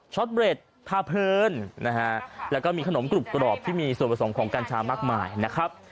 เบรดพาเพลินนะฮะแล้วก็มีขนมกรุบกรอบที่มีส่วนผสมของกัญชามากมายนะครับ